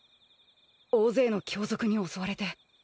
大勢の凶賊に襲われて。